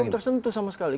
belum tersentuh sama sekali